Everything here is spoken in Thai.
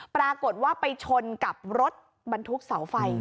ปรากฏว่าไปชนกับรถบรรทุกเสาไฟ